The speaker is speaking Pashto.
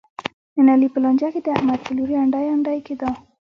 نن علي په لانجه کې د احمد په لوري انډی انډی کېدا.